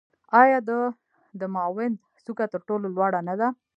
آیا د دماوند څوکه تر ټولو لوړه نه ده؟